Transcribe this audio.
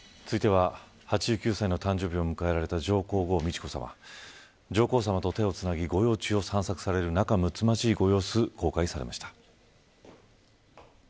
８９歳の誕生日を迎えられた上皇后美智子さま上皇さまと手をつなぎ御用地を散策される仲むつまじいご様子を公開されました。